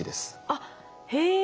あっへえ